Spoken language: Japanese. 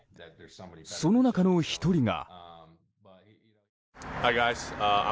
その中の１人が。